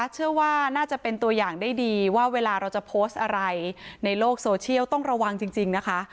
เชื่อว่าน่าจะเป็นตัวอย่างได้ดีว่าเวลาเราจะโพสต์อะไรในโลกโซเชียลต้องระวังจริงนะคะ